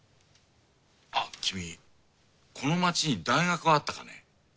あ君この街に大学はあったかね？